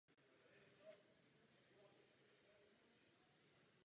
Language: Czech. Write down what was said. Tyto volby nepředstavují vůli zimbabwského lidu.